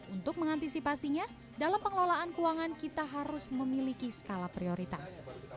untuk mengantisipasinya dalam pengelolaan keuangan kita harus memiliki skala prioritas